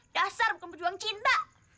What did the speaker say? dasar bukan berjuang cinta